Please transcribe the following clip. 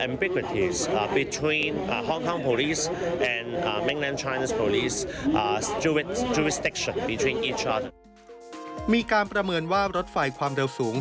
มีการประเมินว่ารถไฟความเร็วสูง